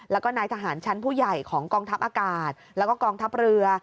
แล้วก็นายทหารชั้นผู้ใหญ่ของกองทัพอากาศแล้วก็กองทัพเรือ